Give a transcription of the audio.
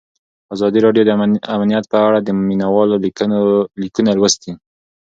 ازادي راډیو د امنیت په اړه د مینه والو لیکونه لوستي.